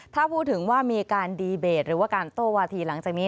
ถ้าพูดถึงว่ามีการดีเบตหรือว่าการโต้วาทีหลังจากนี้